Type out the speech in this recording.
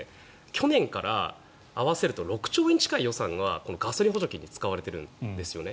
去年から合わせると６兆円近い予算がガソリン補助金に使われてるんですね。